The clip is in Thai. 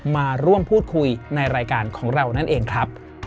มาร่วมพูดคุยในรายการของเรานั่นเองครับ